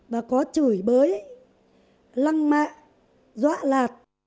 và có chửi bới lăng mạ dọa lạt